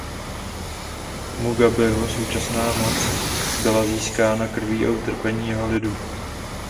Mugabeho současná moc byla získána krví a utrpením jeho lidu.